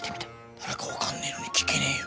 誰か分かんねえのに聞けねえよ。